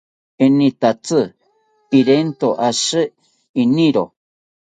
Enitatzi irento ashi iniro